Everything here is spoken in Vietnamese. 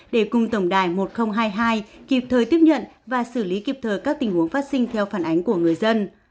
để cùng tổng đài một nghìn hai mươi hai kịp thời tiếp nhận và xử lý kịp thời các tình huống phát sinh theo phản ánh của người dân